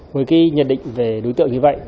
với nhận định về đối tượng như vậy